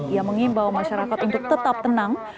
ia mengimbau masyarakat untuk tetap tenang